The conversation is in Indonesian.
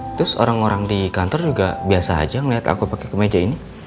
terus orang orang di kantor juga biasa aja ngeliat aku pakai kemeja ini